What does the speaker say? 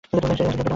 সেই আদিম জন্তুটা!